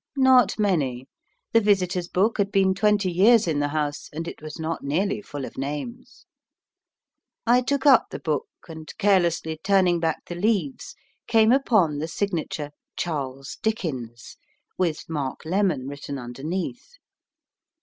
Not many. The visitors' book had been twenty years in the house, and it was not nearly full of names. I took up the book, and carelessly turning back the leaves came upon the signature "Charles Dickens," with "Mark Lemon" written underneath.